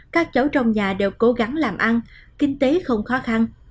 các cháu trong nhà đều cố gắng làm ăn kinh tế không khó khăn